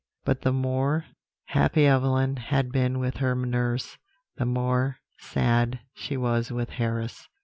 "But the more happy Evelyn had been with her nurse, the more sad she was with Harris.